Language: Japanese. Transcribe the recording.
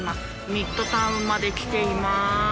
ミッドタウンまで来ています。